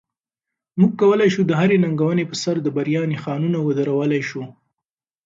موږ کولی شو د هرې ننګونې په سر د بریا نښانونه ودرولای شو.